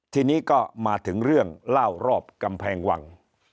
ทีนี้ก็มาถึงเรื่องเล่ารอบกำแพงวัง